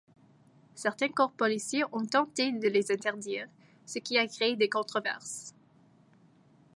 Certains corps policiers ont tenté de les interdire, ce qui a créé des controverses.